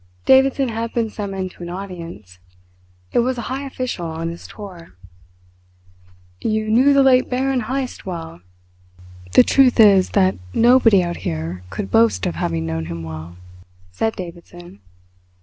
Davidson had been summoned to an audience. It was a high official on his tour. "You knew the late Baron Heyst well?" "The truth is that nobody out here can boast of having known him well," said Davidson.